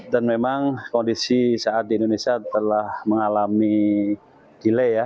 memang kondisi saat di indonesia telah mengalami delay ya